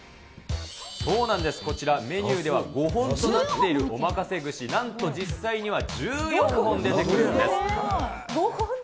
そうなんです、こちら、メニューでは５本となっているおまかせ串、なんと実際には１４本出てくるんです。